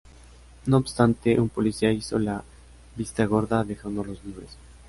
No obstante, un policía hizo la vista gorda dejándolos libres.